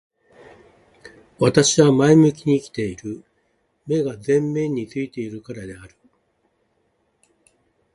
私は前向きに生きている。目が前面に付いているからである。